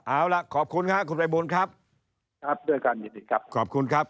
เอาล่ะขอบคุณค่ะคุณภัยบูลครับครับด้วยการยินดีครับขอบคุณครับ